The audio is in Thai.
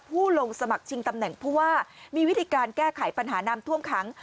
ผู้ลงสมัครชิงตำแหน่งผู้ว่ามีวิธีการแก้ไขปัญหาน้ำท่วมขัง